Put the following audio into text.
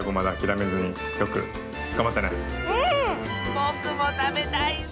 ぼくもたべたいッスよ！